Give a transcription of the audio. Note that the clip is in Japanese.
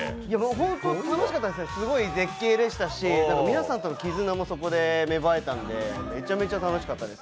本当に楽しかったんです、すごい絶景でしたし皆さんとの絆もそこで芽生えたので、めちゃくちゃ楽しかったです。